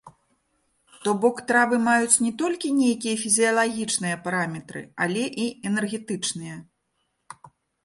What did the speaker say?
То бок, травы маюць не толькі нейкія фізіялагічныя параметры, але і энергетычныя.